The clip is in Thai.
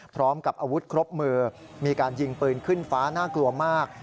พร้อมกับอาวุธครบมือมีการยิงปืนขึ้นฟ้าน่ากลัวมาก